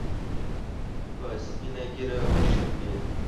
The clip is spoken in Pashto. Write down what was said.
په سپینه ګیره وشرمید